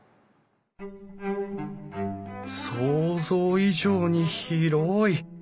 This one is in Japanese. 想像以上に広い！